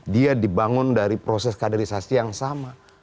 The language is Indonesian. dia dibangun dari proses kaderisasi yang sama